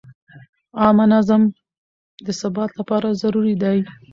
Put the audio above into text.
عامه نظم د ثبات لپاره ضروري دی.